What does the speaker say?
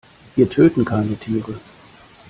Wir töten keine Tiere.